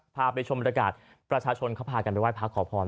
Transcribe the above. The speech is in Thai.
พาไปชมบริการประชาชนเขาพากันไปไห้พระขอพร